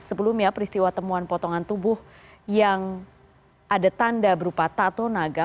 sebelumnya peristiwa temuan potongan tubuh yang ada tanda berupa tato naga